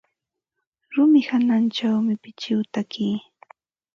Rumi hawanćhawmi pichiwsa taki.